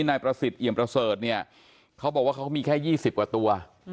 นายประสิทธิ์เอี่ยมประเสริฐเนี่ยเขาบอกว่าเขามีแค่๒๐กว่าตัว